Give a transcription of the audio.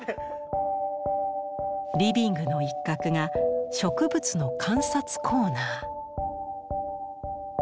リビングの一角が植物の観察コーナー。